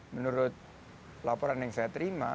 menurut laporan yang saya terima